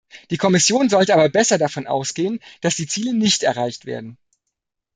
Die Kommission sollte aber besser davon ausgehen, dass die Ziele nicht erreicht werden.